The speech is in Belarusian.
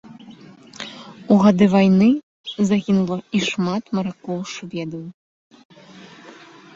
У гады вайны загінула і шмат маракоў-шведаў.